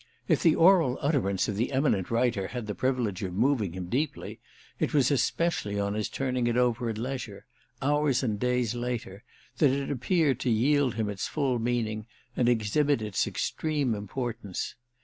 If the oral utterance of the eminent writer had the privilege of moving him deeply it was especially on his turning it over at leisure, hours and days later, that it appeared to yield him its full meaning and exhibit its extreme importance.